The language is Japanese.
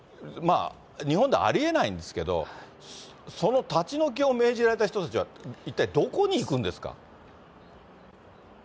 日本ではありえないんですけど、その立ち退きを命じられた人たちは、一体どこに行くんですか？